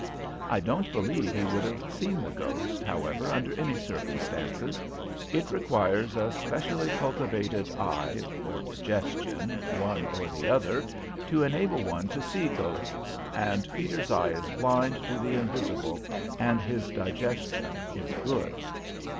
I don't believe he would have seen the ghost, however, under any circumstances. It requires a specially cultivated eye or digestion, one or the other, to enable one to see ghosts, and Peters's eye is blind to the invisible and his digestion is good.